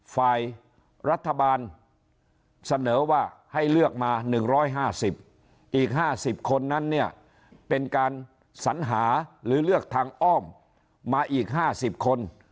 ฝ่ายรัฐบาลเสนอว่าให้เลือกมา๑๕๐อีก๕๐คนนั้นเนี่ยเป็นการสัญหาหรือเลือกทางอ้อมมาอีก๕๐คน